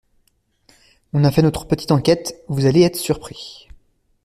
On a fait notre petite enquête, vous allez être surpris.